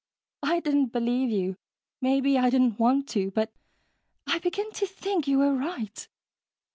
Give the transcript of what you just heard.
I didn't believe you maybe I didn't want to but I begin to think you were right.